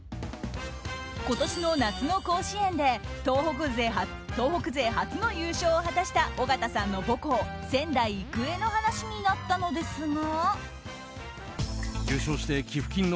今年の夏の甲子園で東北勢初の優勝を果たした尾形さんの母校仙台育英の話になったのですが。